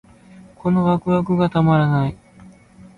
このワクワクがたまらない